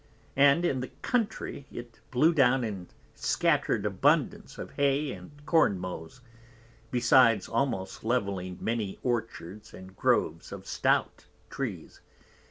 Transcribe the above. And in the Country it blew down and scattered abundance of Hay and Corn Mows, besides almost Levelling many Orchards and Groves of stout Trees.